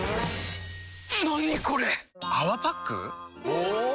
お！